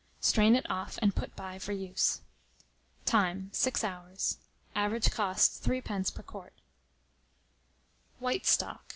Strain it off, and put by for use. Time. 6 hours. Average cost, 3d. per quart. WHITE STOCK.